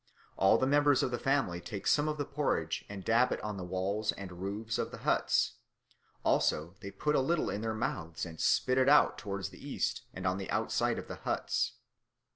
All the members of the family take some of the porridge and dab it on the walls and roofs of the huts; also they put a little in their mouths and spit it out towards the east and on the outside of the huts.